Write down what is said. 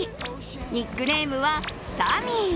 ニックネームは、サミー。